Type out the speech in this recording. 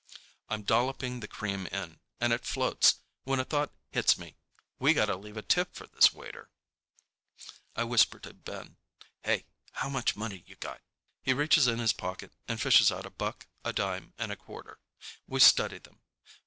I'm dolloping the cream in, and it floats, when a thought hits me: We got to leave a tip for this waiter. I whisper to Ben, "Hey, how much money you got?" He reaches in his pocket and fishes out a buck, a dime, and a quarter. We study them.